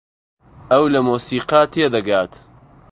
ئەو لە مۆسیقا تێدەگات.